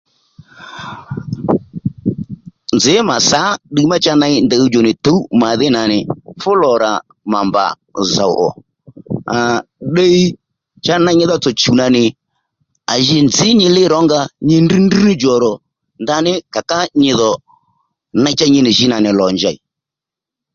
Nzǐ mà sǎ ddiy má cha ney ndey ɦuwdjò nì tǔw màdhí nà nì fú lò rà mà mbà zòw ò àà ddiy cha ney nyi dhotsò chùw nà nì à ji nzǐ nyi lí rǒnga nyi drŕ drŕ ní djò nò ndaní kà ká nyi dhò ney cha nyi nì jǐ nà nì lò njèy